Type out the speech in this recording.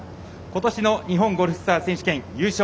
ことしの日本ゴルフツアー選手権優勝